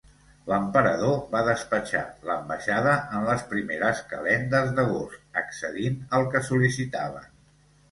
L'Emperador va despatxar l'ambaixada en les primeres calendes d'agost accedint al que sol·licitaven.